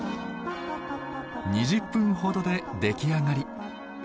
２０分ほどで出来上がり。